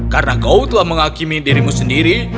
karena kau telah menghakimi dirimu sendiri